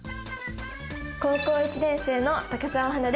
高校１年生の高沢英です。